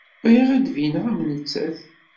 Bɣiɣ ad d-bineɣ am nettat.